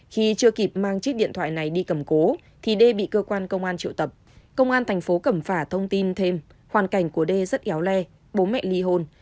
khi chưa kịp mang chiếc điện thoại này đi cầm cố thì đê bị cơ quan công an triệu tập công an thành phố cẩm phả thông tin thêm hoàn cảnh của đê rất éo le bố mẹ ly hôn